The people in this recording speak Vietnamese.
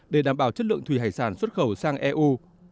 để đảm bảo chất lượng thủy hải sản xuất khẩu sang eu